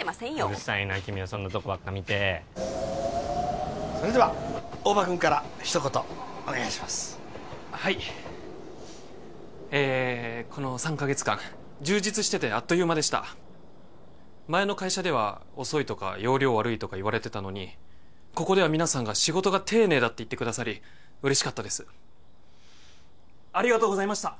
うるさいな君はそんなとこばっか見てそれでは大庭くんから一言お願いしますはいえこの３カ月間充実しててあっという間でした前の会社では遅いとか要領悪いとか言われてたのにここでは皆さんが仕事が丁寧だって言ってくださり嬉しかったですありがとうございました！